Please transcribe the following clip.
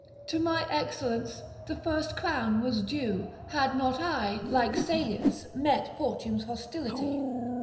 to my excellence the first crown was due, had not I, like Salius, met Fortune's hostility.'